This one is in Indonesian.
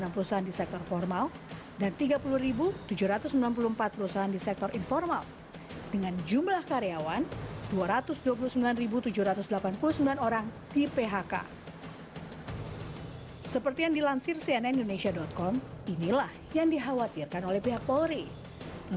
delapan puluh tiga lima ratus empat puluh enam perusahaan di sektor formal dan tiga puluh tujuh ratus enam puluh empat perusahaan di sektor informal